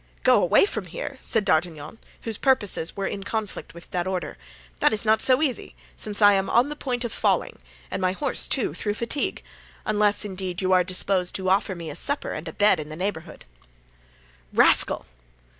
"Go away from here!" said D'Artagnan, whose purposes were in conflict with that order, "that is not so easy, since I am on the point of falling, and my horse, too, through fatigue; unless, indeed, you are disposed to offer me a supper and a bed in the neighborhood." "Rascal!"